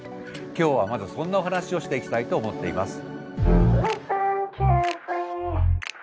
今日はまずそんなお話をしていきたいと思っています。